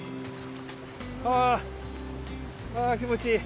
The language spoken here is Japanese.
あああ気持ちいい。